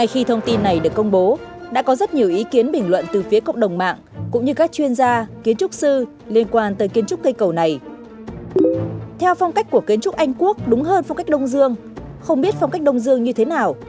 hãy đăng ký kênh để ủng hộ kênh của chúng mình nhé